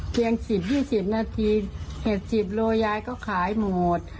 เพียง๑๐๒๐นาทีเห็ด๑๐โลยายก็ขายหมด